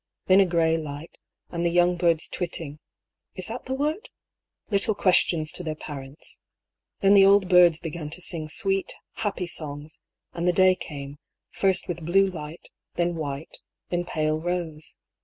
Then a grey light, and the young birds twitting (is that the word ?) little questions to their parents. Then the old birds began to sing sweet, happy songs, and the day came, first with blue light, then white, then pale rose.